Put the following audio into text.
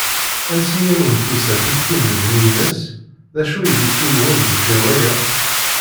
Ansi i awen-d-tusa tikti n lebni-ines? D acu i d iswi-nwen deffir waya?